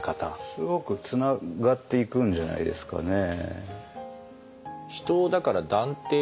すごくつながっていくんじゃないですかね。